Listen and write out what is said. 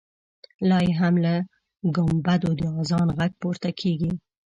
لا یې هم له ګمبدو د اذان غږ پورته کېږي.